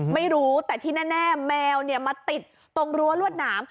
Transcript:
ไม่รู้แต่ที่แน่แมวมาติดตรงรั้วรวดหนาม